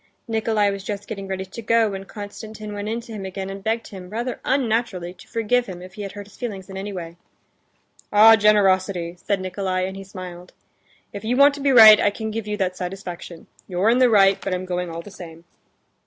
Nikolay was just getting ready to go, when Konstantin went in to him again and begged him, rather unnaturally, to forgive him if he had hurt his feelings in any way. "Ah, generosity!" said Nikolay, and he smiled. "If you want to be right, I can give you that satisfaction. You're in the right; but I'm going all the same."